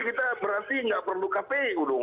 kita berarti nggak perlu kpu dong